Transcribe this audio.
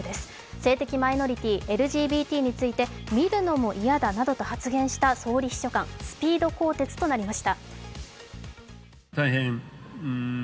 性的マイノリティー・ＬＧＢＴについて見るのも嫌だと発言した総理秘書官、スピード更迭となりました。